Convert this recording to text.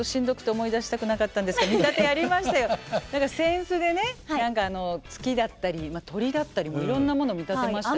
何か扇子でね月だったり鳥だったりもいろんなもの見立てましたよ。